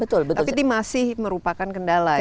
tapi ini masih merupakan kendala ya